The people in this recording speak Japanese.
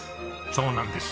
そうなんです。